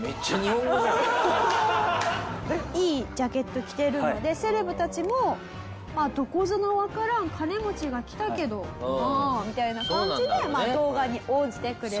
いいジャケットを着ているのでセレブたちもどこぞのわからん金持ちが来たけどああみたいな感じで動画に応じてくれたと。